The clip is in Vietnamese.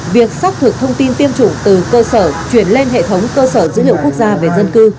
việc xác thực thông tin tiêm chủng từ cơ sở chuyển lên hệ thống cơ sở dữ liệu quốc gia về dân cư